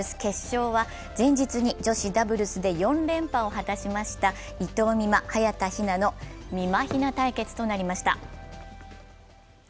前日に女子ダブルスで４連覇を果たしました伊藤美誠、早田ひなのみま・ひな対決となりました。